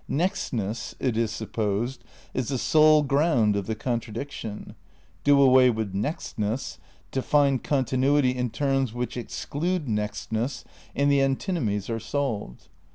Nextness, it is supposed, is the sole ground of the con tradiction; do away with nextness, define continuity in terms which exclude nextness, and the antinomies are solved.